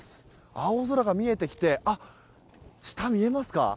青空が見えてきて下、見えますか？